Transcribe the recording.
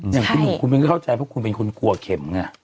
อย่างที่ผมก็เข้าใจเพราะว่าคุณเป็นคนกลัวเข็มเนี่ย